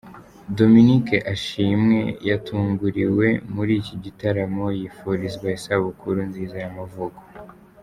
Dominic Ashimwe yatunguriwe muri iki gitaramo yifurizwa isabukuru nziza y'amavuko.